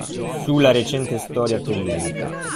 Su la recente storia tellurica.